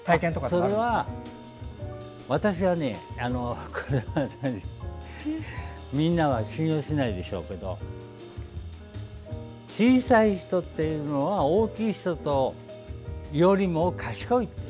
それは、私はみんなは信用しないでしょうけど小さい人っていうのは大きい人よりも賢いと。